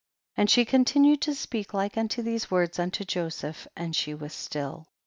And she continued to speak like unto these words unto Joseph, and she was still.